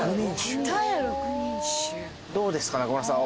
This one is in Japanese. どうですか中村さん